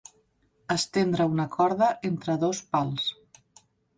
Estendre una corda entre dos pals.